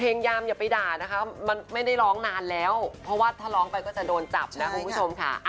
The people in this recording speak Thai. ยามอย่าไปด่านะคะมันไม่ได้ร้องนานแล้วเพราะว่าถ้าร้องไปก็จะโดนจับนะคุณผู้ชมค่ะ